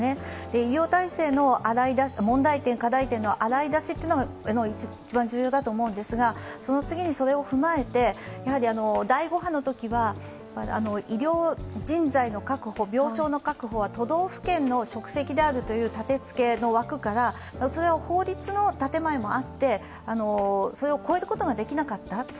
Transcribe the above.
医療体制の問題点、課題点の洗い出しが一番重要だと思うんですがその次にそれを踏まえて第５波のときは医療人材の確保病床の確保は都道府県の職責であるという立てつけの枠からそれは法律のたてまえもあって、それを超えることはできなかった。